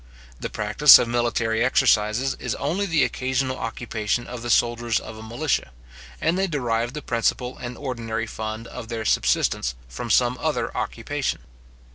The practice of military exercises is only the occasional occupation of the soldiers of a militia, and they derive the principal and ordinary fund of their subsistence from some other occupation.